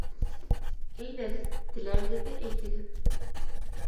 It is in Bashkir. Әйҙәгеҙ, теләгегеҙҙе әйтегеҙ.